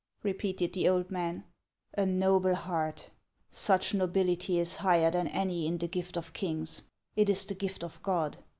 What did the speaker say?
repeated the old man ; a noble heart ! Such nobility is higher than any in the gilt ol kin^s ; it is the gift of God.